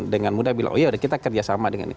dengan mudah bilang oh ya sudah kita kerjasama